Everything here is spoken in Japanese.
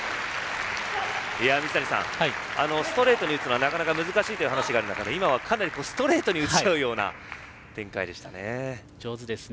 水谷さん、ストレートに打つのは難しいという話がある中で今はかなりストレートに打ち合うような展開でしたね。